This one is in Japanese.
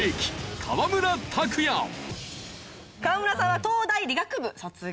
河村さんは東大理学部卒業。